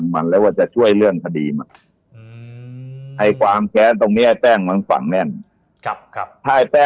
มันหนีไปด้วย